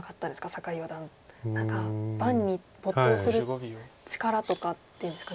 酒井四段何か盤に没頭する力とかっていうんですか。